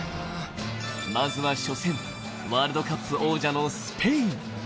まずは初戦、ワールドカップ杯王者のスペイン。